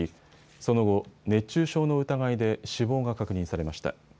その後、熱中症の疑いで死亡が確認されました。